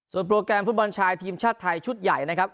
โปรแกรมฟุตบอลชายทีมชาติไทยชุดใหญ่นะครับ